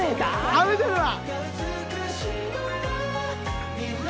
覚めてるわ！